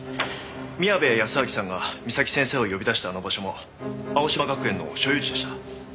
宮部保昭さんが岬先生を呼び出したあの場所も青嶋学園の所有地でした。